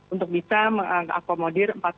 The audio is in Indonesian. untuk bisa mengakomodir